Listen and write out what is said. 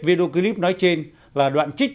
video clip nói trên là đoạn trích